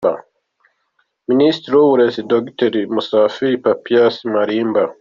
Minisitiri w’Uburezi: Dr Musafili Papias Malimba.